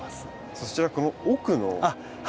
そちらこの奥の品種は。